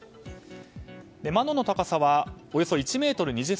窓の高さはおよそ１ｍ２０ｃｍ。